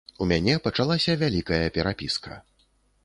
У мяне пачалася вялікая перапіска.